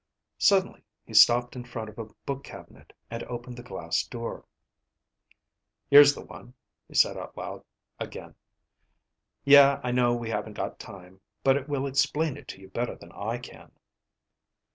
Suddenly he stopped in front of a book cabinet and opened the glass door. "Here's the one," he said out loud again. "Yeah, I know we haven't got time, but it will explain it to you better than I can."